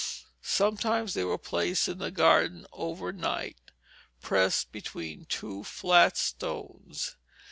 Sometimes they were placed in the garden over night, pressed between two flat stones.